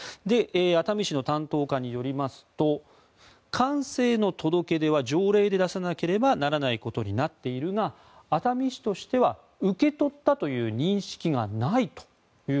熱海市の担当課によりますと完成の届け出は、条例で出さなければならないことになっているが熱海市としては受け取ったという認識がないと。